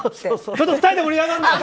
ちょっと２人で盛り上がるなよ！